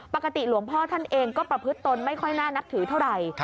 ปกติหลวงพ่อท่านเองก็ประพฤติตนไม่ค่อยน่านับถือเท่าไหร่